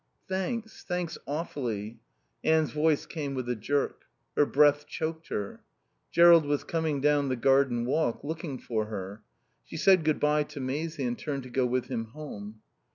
"Thanks. Thanks awfully." Anne's voice came with a jerk. Her breath choked her. Jerrold was coming down the garden walk, looking for her. She said good bye to Maisie and turned to go with him home.